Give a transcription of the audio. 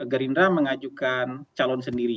gerindra mengajukan calon sendiri